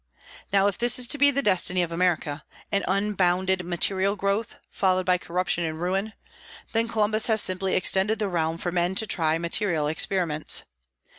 Now if this is to be the destiny of America, an unbounded material growth, followed by corruption and ruin, then Columbus has simply extended the realm for men to try material experiments.